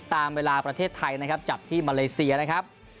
ตามเวลาประเทศไทยนะครับจับที่มาเลเซียนะครับ